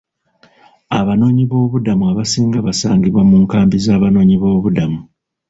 Abanoonyiboobubudamu abasinga basangibwa mu nkambi z'abanoonyiboobubudamu.